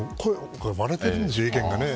これ、割れているんですよね意見が。